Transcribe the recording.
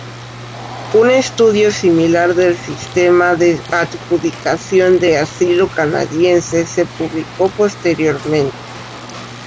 Un estudio similar del sistema de adjudicación de asilo canadiense se publicó posteriormente.